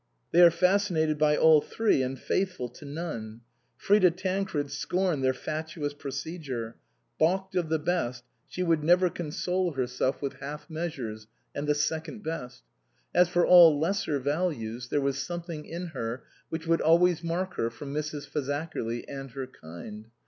They are fascinated by all three and faithful to none. Frida Tancred scorned their fatuous procedure. Baulked of the best, she would never console herself with 82 INLAND half measures and the second best ; as for all lesser values, there was something in her which would always mark her from Mrs. Fazakerly and her kind.